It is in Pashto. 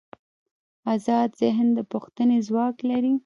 ازاد ذهن د پوښتنې ځواک لري.